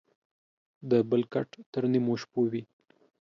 دبل کټ تر نيمو شپو وى.